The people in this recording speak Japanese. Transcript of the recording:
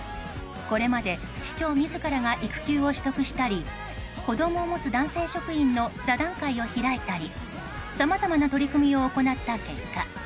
これまで、市長自らが育休を取得したり子供を持つ男性職員の座談会を開いたりさまざまな取り組みを行った結果